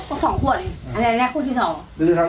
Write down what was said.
แค่สองขวดอีกอันแรกว่าที่สอง